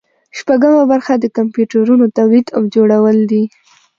شپږمه برخه د کمپیوټرونو تولید او جوړول دي.